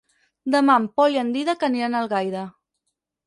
Demà en Pol i en Dídac aniran a Algaida.